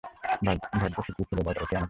ভাগ্যি শিখিয়েছিলে দাদা, ওতেই আমাকে বাঁচায়।